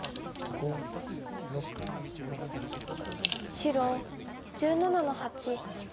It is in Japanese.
白１７の八。